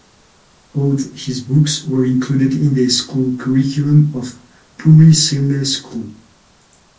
Both his books were included in the school curriculum of Puri Zilla School.